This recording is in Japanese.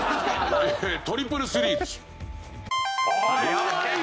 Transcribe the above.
トリプルスリーでしょ。